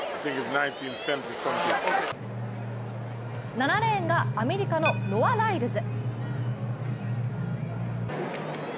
７レーンがアメリカのノア・ライルズ。